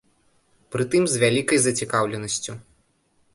Прытым з вялікай зацікаўленасцю.